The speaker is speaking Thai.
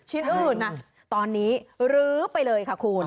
ชิ้นอื่นนะตอนนี้รื้อไปเลยค่ะคุณ